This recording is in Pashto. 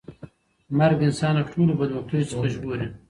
مرګ انسان له ټولو بدبختیو څخه ژغوري.